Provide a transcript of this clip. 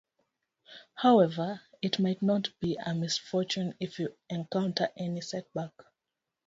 However, it might not be a misfortune if you encounter any setback.